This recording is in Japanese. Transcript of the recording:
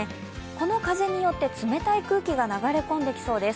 この風によって冷たい空気が流れ込んできそうです。